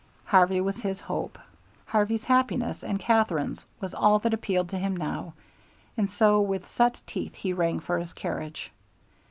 Harvey was his hope, Harvey's happiness and Katherine's was all that appealed to him now, and so with set teeth he rang for his carriage.